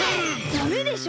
ダメでしょ。